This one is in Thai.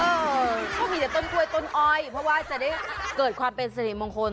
เออเขามีแต่ต้นกล้วยต้นอ้อยเพราะว่าจะได้เกิดความเป็นสิริมงคล